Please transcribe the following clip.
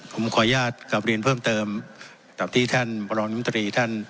ผมขออนุญาตกราบเรียนเพิ่มเติมจากที่ท่านประหลาดมินตรีท่าน